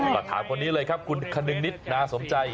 ก็ถามคนนี้เลยครับคุณคนึงนิดนาสมใจ